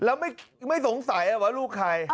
แล้วไม่สงสัยว่าลูกใคร